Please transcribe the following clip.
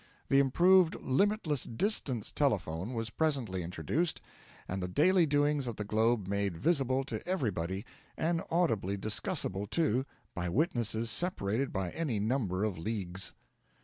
The improved 'limitless distance' telephone was presently introduced, and the daily doings of the globe made visible to everybody, and audibly discussible, too, by witnesses separated by any number of leagues.